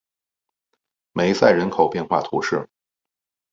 梅塞人口变化图示